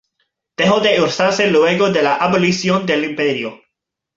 Dejó de usarse luego de la abolición del imperio.